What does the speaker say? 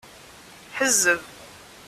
Ḥezzeb.